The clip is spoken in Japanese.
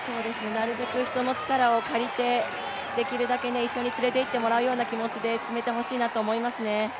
なるべく人の力を借りて、できるだけ一緒につれていってもらうような気持ちで進んでいってほしいと思いますね。